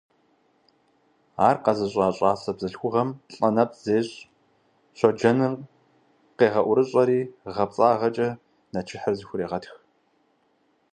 Ар къэзыщӏа щӏасэ бзылъхугъэм лӏэ нэпцӏ зещӏ, щоджэныр къегъэӏурыщӏэри, гъэпцӏагъэкӏэ нэчыхьыр зыхурегъэтх.